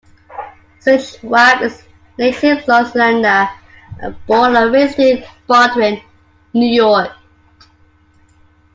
Schwab is a native Long Islander, born and raised in Baldwin, New York.